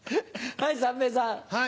はい三平さん。